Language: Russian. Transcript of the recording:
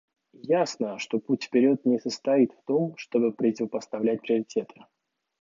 Ясно, что путь вперед не состоит в том, чтобы противопоставлять приоритеты.